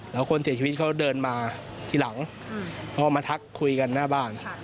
แล้วคนเสียชีวิตเขาเดินมาทีหลังพอมาทักคุยกันหน้าบ้าน